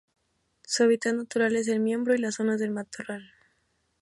Su hábitat natural es el miombo y las zonas de matorral.